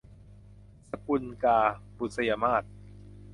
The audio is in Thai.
สกุลกา - บุษยมาส